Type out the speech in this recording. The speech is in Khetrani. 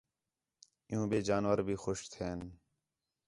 عِیّوں ٻئے جانور بھی خوش تھئین